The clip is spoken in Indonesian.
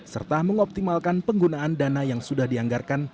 serta mengoptimalkan penggunaan dana yang sudah dianggarkan